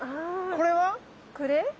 これ？